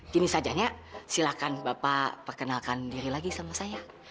kini sajanya silakan bapak perkenalkan diri lagi sama saya